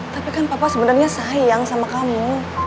tapi kan papa sebenarnya sayang sama kamu